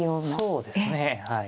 そうですねはい。